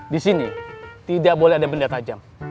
di sini tidak boleh ada benda tajam